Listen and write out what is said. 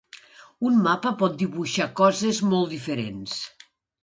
Un mapa pot dibuixar coses molt diferents.